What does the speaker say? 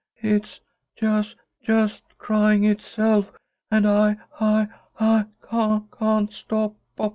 "It's j just crying itself, and I I I c can't stop p p!"